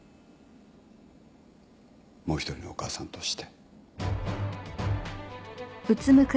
もう一人のお母さんとして。